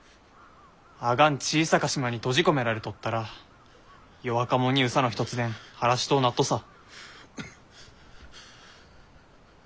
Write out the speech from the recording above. あがん小さか島に閉じ込められとったら弱かもんに憂さのひとつでん晴らしとうなっとさ。